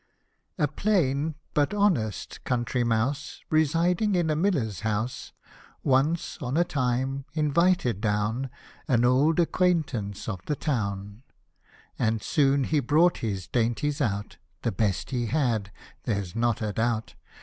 A PLAIN, but honest, country mouse, Residing in a miller's house, Once, on a time, invited down An old acquaintance of the town : And soon he brought his dainties out ; The best he had, there's not a doubt.